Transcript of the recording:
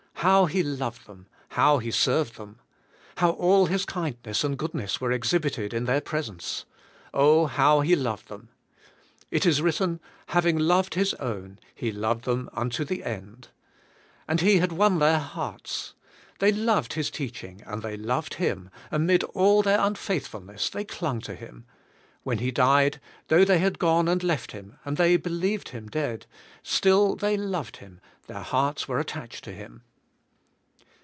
How He loved them! How He served them! How all His kindness and goodness were ex hibited in their presence! Oh, how He loved them! It is written, '' Having loved His own, He loved them unto the end." And He had won their hearts. They loved His teaching, and they loved Hini^ amid all their unfaithfulness they clung to Him. When He died, though they had gone and left Him, and they believed Him dead, still they loved Him, their hearts were attached to Him.